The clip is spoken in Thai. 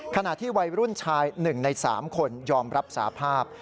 ขณะที่วัยรุ่นชาย๑ใน๓คนยอมรับสาภาพ